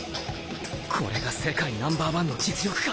これが世界ナンバー１の実力か。